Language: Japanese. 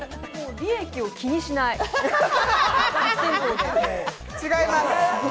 利益を気にしない？違います。